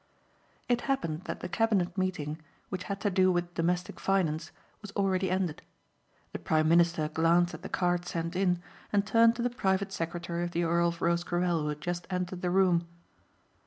It happened that the cabinet meeting, which had to do with domestic finance, was already ended. The prime minister glanced at the card sent in, and turned to the private secretary of the Earl of Rosecarrel who had just entered the room.